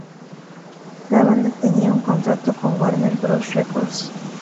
La banda tenía un contrato con Warner Bros Records.